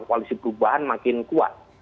koalisi perubahan makin kuat